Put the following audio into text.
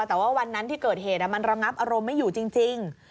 แต่ว่าวันนั้นที่เกิดเหตุมันระงับอารมณ์ไม่อยู่จริง